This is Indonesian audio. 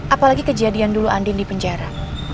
apalagi kejadian dulu andin di penjara